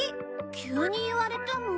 急に言われても。